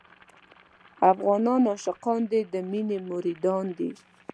افغانان عاشقان دي او د مينې مريدان دي.